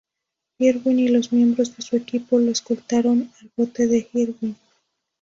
Irwin y los miembros de su equipo lo escoltaron al bote de Irwin.